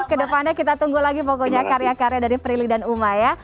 kedepannya kita tunggu lagi pokoknya karya karya dari prilly dan uma ya